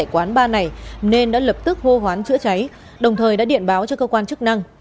quán bar này nên đã lập tức hô hoán chữa cháy đồng thời đã điện báo cho cơ quan chức năng